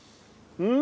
うん。